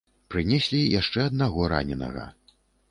Прынеслі яшчэ аднаго раненага.